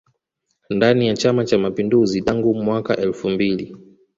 Ndani ya chama cha mapinduzi tangu mwaka elfu mbili